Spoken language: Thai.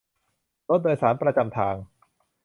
รถโดยสารประจำทาง